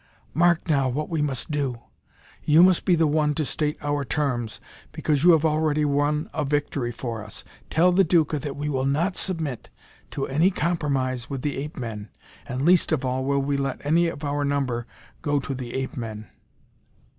Mark now, what we must do. You must be the one to state our terms, because you have already won a victory for us. Tell the Duca that we will not submit to any compromise with the ape men, and least of all will we let any of our number go to the ape men."